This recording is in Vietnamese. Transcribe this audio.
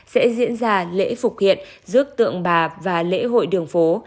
sẽ diễn ra lễ phục hiện rước tượng bà và lễ hội đường phố